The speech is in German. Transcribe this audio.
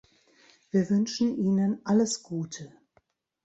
Wir wünschen Ihnen alles Gute.